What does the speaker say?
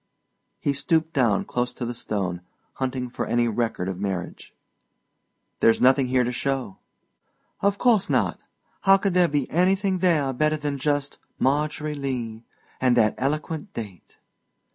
He stooped down close to the stone, hunting for any record of marriage. "There's nothing here to show." "Of course not. How could there be anything there better than just 'Margery Lee,' and that eloquent date?"